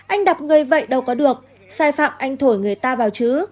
anh đập người vậy đâu có được sai phạm anh thổi người ta vào chứ